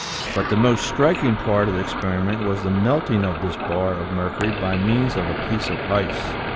But the most striking part of the experiment was the melting of this bar of mercury by means of a piece of ice.